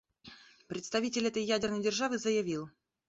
Представитель этой ядерной державы заявил: